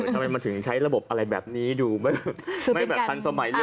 ทำไมมันถึงใช้ระบบอะไรแบบนี้ดูไม่แบบทันสมัยเลย